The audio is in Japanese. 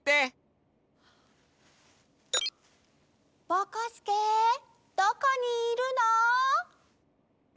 ぼこすけどこにいるの？